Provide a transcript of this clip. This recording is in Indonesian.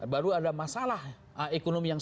baru ada masalah ekonomi yang sangat penting